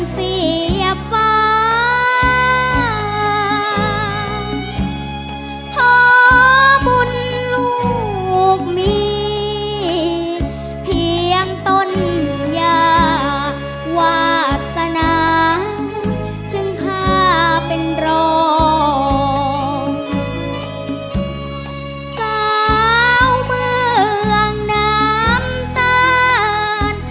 เสียบฟ้าขอบุญลูกมีเพียงต้นยาวาสนาจึงฆ่าเป็นร้อนสาวเมืองน้ำตาล